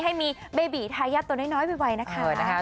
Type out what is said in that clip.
ให้มีเบบีทายาทตัวน้อยไวนะคะ